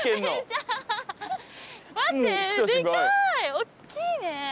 大っきいね。